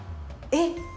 えっ？